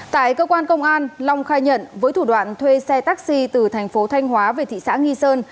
tại cơ quan công an long khai nhận với thủ đoạn thuê xe taxi từ thành phố thanh hóa về thị xã nghi sơn